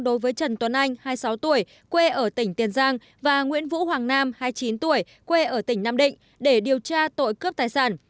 đối với trần tuấn anh hai mươi sáu tuổi quê ở tỉnh tiền giang và nguyễn vũ hoàng nam hai mươi chín tuổi quê ở tỉnh nam định để điều tra tội cướp tài sản